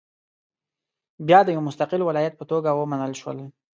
بیا د یو مستقل ولایت په توګه ومنل شول.